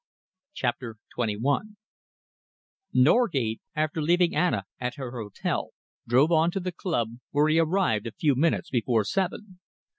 CHAPTER XXI Norgate, after leaving Anna at her hotel, drove on to the club, where he arrived a few minutes before seven.